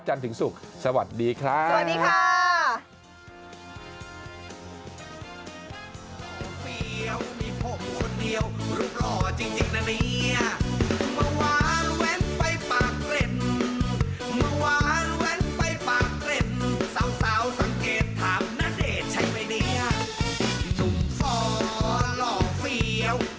จันทร์ถึงสุขสวัสดีครับสวัสดีค่ะ